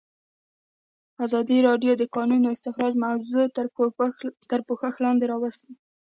ازادي راډیو د د کانونو استخراج موضوع تر پوښښ لاندې راوستې.